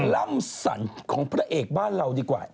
ล่ำสั่นของพระเอกบ้านเราดีกว่า